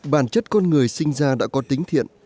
bản chất con người sinh ra đã có tính thiện